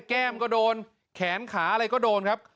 แก้มก็โดนแขนขาอะไรก็โดนครับ